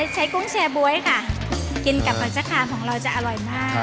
กุ้งแชร์บ๊วยค่ะกินกับผักชะคามของเราจะอร่อยมาก